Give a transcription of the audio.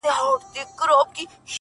طبيعي ګاز په اصل کې هېڅ بوی نه لري